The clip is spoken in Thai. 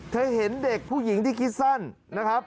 เห็นเด็กผู้หญิงที่คิดสั้นนะครับ